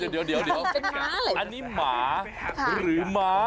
เดี๋ยวอันนี้หมาหรือม้า